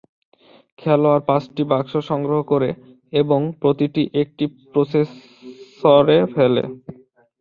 খেলোয়াড় পাঁচটি বাক্স সংগ্রহ করে এবং প্রতিটি একটি প্রসেসরে ফেলে।